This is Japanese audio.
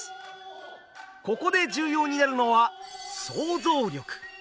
ここで重要になるのは想像力！